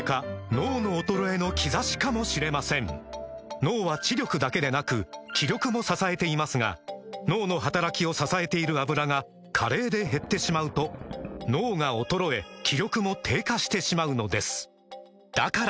脳の衰えの兆しかもしれません脳は知力だけでなく気力も支えていますが脳の働きを支えている「アブラ」が加齢で減ってしまうと脳が衰え気力も低下してしまうのですだから！